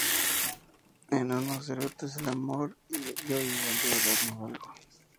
en unos cenutrios para el amor. yo igual, de verdad, no valgo.